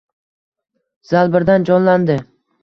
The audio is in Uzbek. Zal birdan jonlandi.